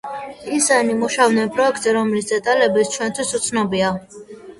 ისინი მუშაობდნენ პროექტზე, რომლის დეტალებიც ჩვენთვის უცნობია.